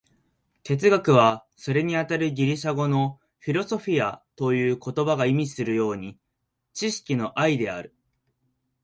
哲学は、それにあたるギリシア語の「フィロソフィア」という言葉が意味するように、知識の愛である。